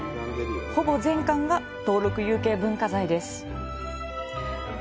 ほぼ全館が登録有形文化財です。